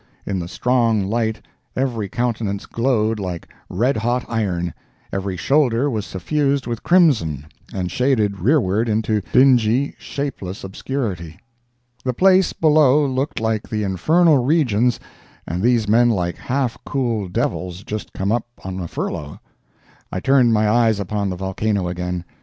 In the strong light every countenance glowed like red hot iron, every shoulder was suffused with crimson and shaded rearward into dingy, shapeless obscurity! The place below looked like the infernal regions and these men like half cooled devils just come up on a furlough. I turned my eyes upon the volcano again.